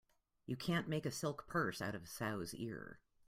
You can't make a silk purse out of a sow's ear.